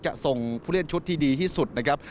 ส่งผู้เล่นชุดที่ดีที่สุดนะครับ